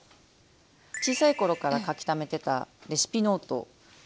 小さい頃から書きためてたレシピノート。